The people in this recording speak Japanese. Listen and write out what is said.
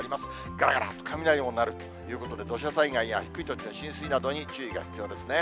がらがらと雷音鳴るということで、土砂災害や低い土地の浸水などに注意が必要ですね。